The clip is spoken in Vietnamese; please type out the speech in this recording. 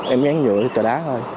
em gán nhựa từ tòa đá thôi